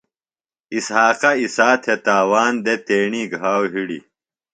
اسحاقہ عیسیٰ تھےۡ تاوان دےۡ تیݨی گھاؤ ہِڑیۡ۔